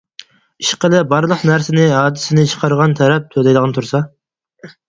ئىشقىلىپ بارلىق نەرسىنى ھادىسىنى چىقارغان تەرەپ تۆلەيدىغان تۇرسا.